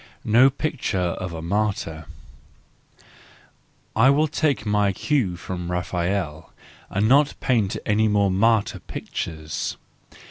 No Picture of a Martyr .—I will take my cue from Raphael, and not paint any more martyr SANCTUS JANUARIUS 24s pictures.